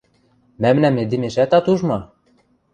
Мӓмнӓм эдемешӓт ат уж ма?